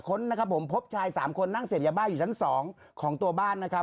ค้นนะครับผมพบชายสามคนนั่งเสพยาบ้าอยู่ชั้น๒ของตัวบ้านนะครับ